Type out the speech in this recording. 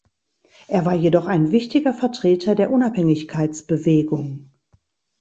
Er war jedoch ein wichtiger Vertreter der Unabhängigkeitsbewegung.